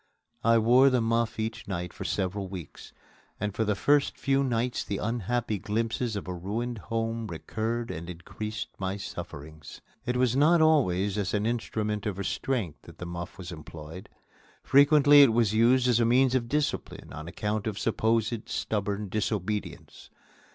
I wore the muff each night for several weeks, and for the first few nights the unhappy glimpses of a ruined home recurred and increased my sufferings. It was not always as an instrument of restraint that the muff was employed. Frequently it was used as a means of discipline on account of supposed stubborn disobedience.